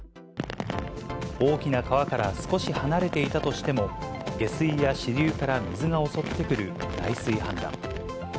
大きな川から少し離れていたとしても、下水や支流から水が襲ってくる内水氾濫。